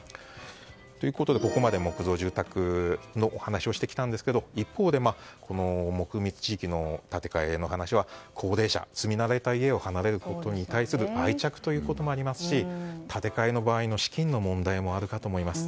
ここまで木造住宅のお話をしましたが一方で木密地域の建て替えの話は高齢者が住み慣れた家を離れることに対する愛着ということもありますし建て替えの場合の資金の問題もあるかと思います。